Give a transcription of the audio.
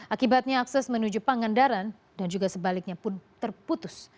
akibatnya akses menuju pangandaran dan juga sebaliknya pun terputus